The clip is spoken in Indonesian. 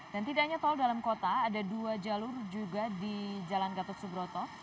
dan tidaknya tol dalam kota ada dua jalur juga di jalan gatot subroto